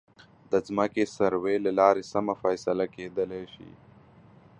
د ځمکې سروې له لارې سمه فیصله کېدلی شي.